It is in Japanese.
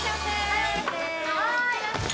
はい！